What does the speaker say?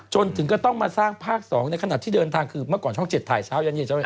จนถึงก็ต้องมาสร้างภาค๒ในขณะที่เดินทางคือเมื่อก่อนช่อง๗ถ่ายเช้ายันเย็นใช่ไหม